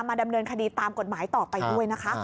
ดำเนินคดีตามกฎหมายต่อไปด้วยนะคะ